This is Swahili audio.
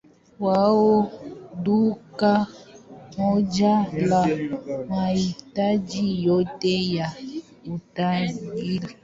Wao ni duka moja la mahitaji yote ya utalii.